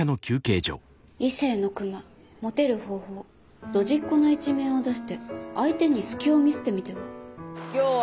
「『異性のクマモテる方法』ドジっ子な一面を出して相手に隙を見せてみては」。